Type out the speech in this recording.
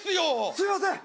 すいません！